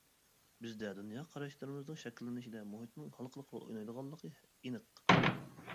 بىزدە دۇنيا قاراشلىرىمىزنىڭ شەكىللىنىشىدە مۇھىتنىڭ ھالقىلىق رول ئوينايدىغانلىقى ئېنىق.